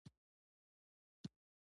مینه او رڼا پټېدای نه شي.